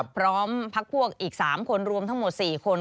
พร้อมพักพวกอีก๓คนรวมทั้งหมด๔คน